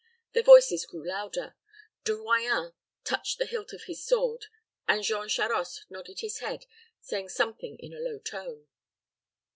Their voices grew louder; De Royans touched the hilt of his sword; and Jean Charost nodded his head, saying something in a low tone.